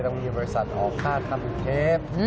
ต้องมีบริษัทออกค่าทำเทป